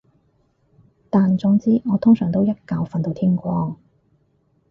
但總之我通常都一覺瞓到天光